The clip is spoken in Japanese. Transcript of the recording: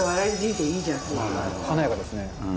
「華やかですね」